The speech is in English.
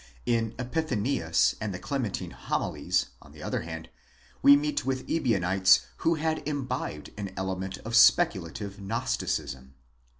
In Epiphanius and the Clementine Homilies, on the other hand, we meet with Ebionites who had imbibed an element of speculative Gnosticism.